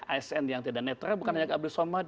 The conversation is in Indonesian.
asn yang tidak netral bukan hanya ke abdel somad